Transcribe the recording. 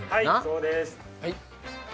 そうです。